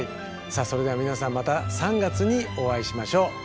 さあそれでは皆さんまた３月にお会いしましょう。